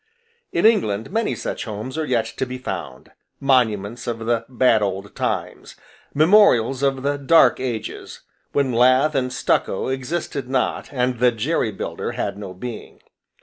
In England many such houses are yet to be found, monuments of the "Bad Old Times" memorials of the "Dark Ages" when lath and stucco existed not, and the "Jerry builder" had no being.